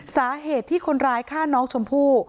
สาเหตุที่คนร้ายฆ่าน้องชมพู่